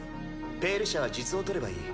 「ペイル社」は実を取ればいい。